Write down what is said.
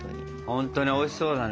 ほんとにおいしそうだね。